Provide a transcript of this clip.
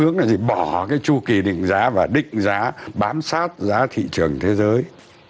hướng là gì bỏ cái chu kỳ định giá và định giá bám sát giá thị trường thế giới